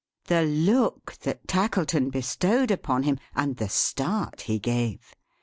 The look that Tackleton bestowed upon him, and the start he gave!